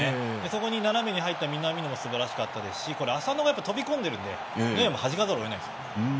そこに斜めに入った南野がすばらしかったですし浅野が飛び込んでいるのでノイアーもはじかざるを得ないです。